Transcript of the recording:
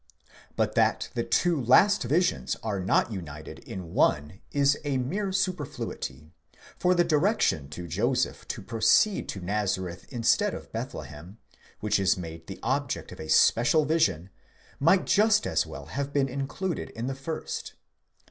But that the two last visions are not united in one is a mere superfluity ; for the direction to Joseph to proceed to Nazareth instead of Bethlehem, which is made the object of a special vision, might just as well have been included in the first.